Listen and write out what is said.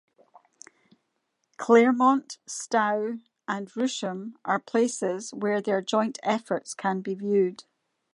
Claremont, Stowe, and Rousham are places where their joint efforts can be viewed.